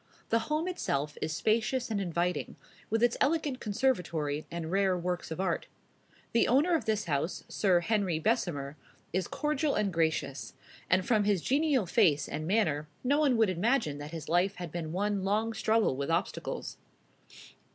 The home itself is spacious and inviting, with its elegant conservatory and rare works of art. The owner of this house, Sir Henry Bessemer, is cordial and gracious; and from his genial face and manner, no one would imagine that his life had been one long struggle with obstacles.